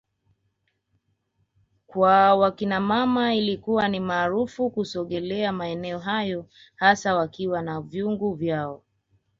kwa wakinamama ilikuwa ni marufuku kusogelea maeneo hayo hasa wakiwa na vyungu vyao